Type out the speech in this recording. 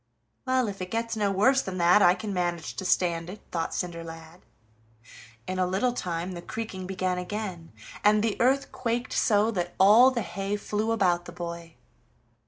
"Well, if it gets no worse than that, I can manage to stand it," thought Cinderlad. In a little time the creaking began again, and the earth quaked so that all the hay flew about the boy.